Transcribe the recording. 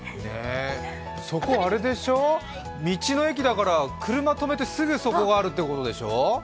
そこ道の駅だから車止めてすぐそこがあるってことでしょ？